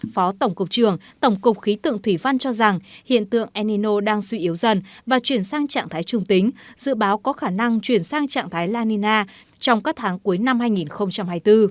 phó tổng cục trường tổng cục khí tượng thủy văn cho rằng hiện tượng enino đang suy yếu dần và chuyển sang trạng thái trung tính dự báo có khả năng chuyển sang trạng thái la nina trong các tháng cuối năm hai nghìn hai mươi bốn